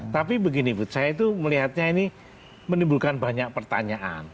tapi begini bu saya itu melihatnya ini menimbulkan banyak pertanyaan